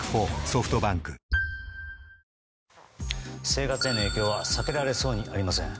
生活への影響は避けられそうにありません。